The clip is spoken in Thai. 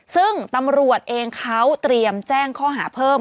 ซึ่งตำรวจเองเขาเตรียมแจ้งข้อหาเพิ่ม